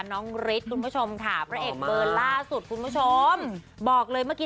น้องฤทธิ์คุณผู้ชมถ่าภายใต้เบิดล่าสุดคุณผู้ชมบอกเลยเมื่อกี้